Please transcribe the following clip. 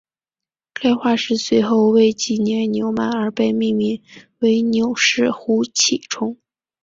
该化石随后为纪念纽曼而被命名为纽氏呼气虫。